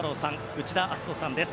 内田篤人さんです。